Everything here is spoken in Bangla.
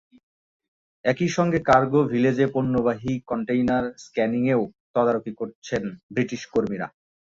একই সঙ্গে কার্গো ভিলেজে পণ্যবাহী কনটেইনার স্ক্যানিংয়েও তদারকি করছেন ব্রিটিশ কর্মীরা।